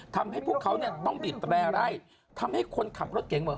ทำให้พวกเขาต้องบีบแตร่ไล่ทำให้คนขับรถเก่งว่า